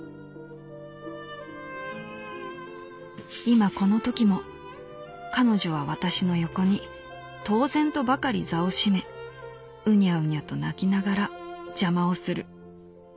「今このときも彼女は私の横に当然とばかり座を占めうにゃうにゃと鳴きながら邪魔をする。